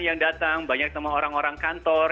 yang datang banyak teman orang orang kantor